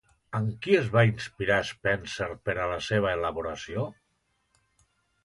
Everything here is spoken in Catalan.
En qui es va inspirar Spenser per a la seva elaboració?